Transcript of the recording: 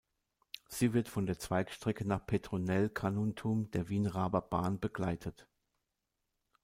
Sie wird von der Zweigstrecke nach Petronell-Carnuntum der Wien-Raaber Bahn begleitet.